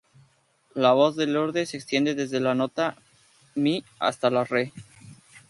La voz de Lorde se extiende desde la nota "mi" hasta la "re".